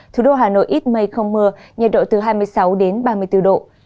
thủ đô hà nội ít mây không mưa nhiệt độ từ hai mươi sáu đến ba mươi bốn độ